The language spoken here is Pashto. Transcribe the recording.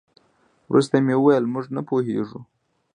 ورته مې وویل: موږ نه پوهېږو.